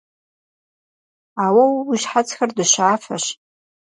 Ауэ уэ уи щхьэцхэр дыщафэщ.